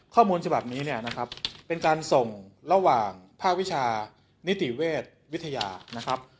ข้อมูลฉบับนี้เนี่ยนะครับเป็นการส่งระหว่างภาควิชานิติเวชวิทยานะครับ